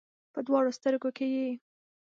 په دواړو سترګو کې یې